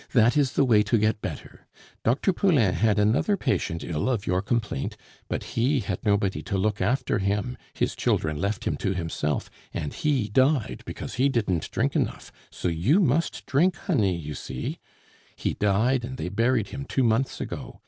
"That is the way to get better. Dr. Poulain had another patient ill of your complaint; but he had nobody to look after him, his children left him to himself, and he died because he didn't drink enough so you must drink, honey, you see he died and they buried him two months ago.